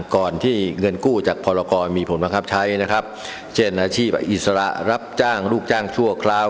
ก่อนที่เงินกู้จากพรกรมีผลบังคับใช้นะครับเช่นอาชีพอิสระรับจ้างลูกจ้างชั่วคราว